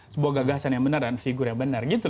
sebuah gagasan yang benar dan figur yang benar gitu